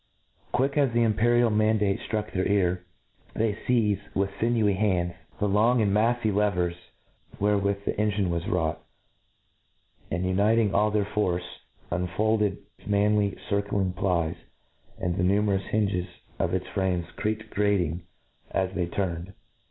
Quick as the imperial mandate ftruck their ear, they feize, with fmewy hands, the (J* INTRODUCTION'. the long and mafly levers therewith the cngiritf was wrought, slnd Uniting all their fofce, unfold ed its manly circling, plies, arid' fhe numerous* hinges of its frames creaked grating ar they turned.